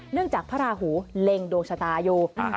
เนื่องจากพระราหูเล็งโดงชะตาอยู่